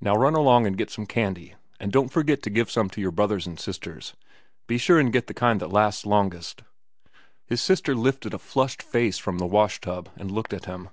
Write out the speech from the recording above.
"Now run along and get some candy, and don't forget to give some to your brothers and sisters. Be sure and get the kind that lasts longest." His sister lifted a flushed face from the wash tub and looked at him.